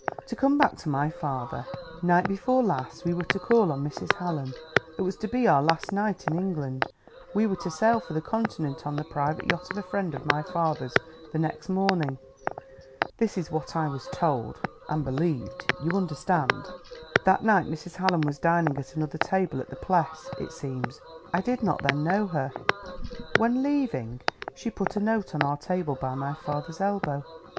"To come back to my father: Night before last we were to call on Mrs. Hallam. It was to be our last night in England; we were to sail for the Continent on the private yacht of a friend of my father's, the next morning.... This is what I was told and believed, you understand. "That night Mrs. Hallam was dining at another table at the Pless, it seems. I did not then know her. When leaving, she put a note on our table, by my father's elbow.